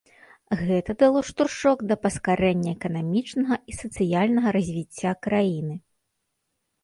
Гэта дало штуршок да паскарэння эканамічнага і сацыяльнага развіцця краіны.